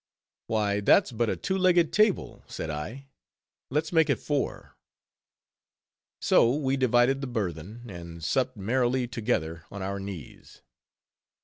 "Why that's but a two legged table," said I, "let's make it four." So we divided the burthen, and supped merrily together on our knees.